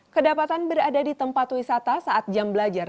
kedapatan berada di tempat wisata saat jam belajar